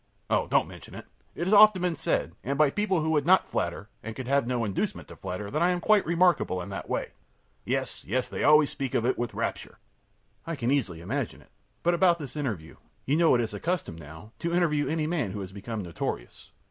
ö ōOh, don't mention it! It has often been said, and by people who would not flatter and who could have no inducement to flatter, that I am quite remarkable in that way. Yes yes; they always speak of it with rapture.ö ōI can easily imagine it. But about this interview. You know it is the custom, now, to interview any man who has become notorious.